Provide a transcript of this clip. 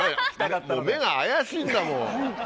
目が怪しいんだもん。